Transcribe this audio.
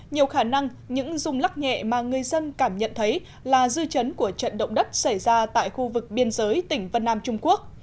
nhiều khả năng những rung lắc nhẹ mà người dân cảm nhận thấy là dư chấn của trận động đất xảy ra tại khu vực biên giới tỉnh vân nam trung quốc